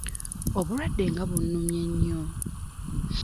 Obulwadde nga bumulumye nnyo.